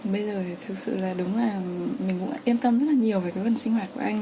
bây giờ thì thực sự là đúng là mình cũng yên tâm rất là nhiều về cái vận sinh hoạt của anh